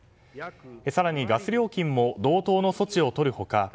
更に、ガス料金も同等の措置をとる他